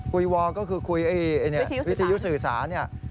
คุยวอก็คือวิทยุสื่อสาร